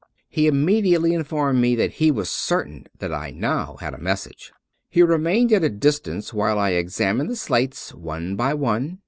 He immediately informed me that he was certain that I now had a message. He remained at a distance while I examined the slates one by one.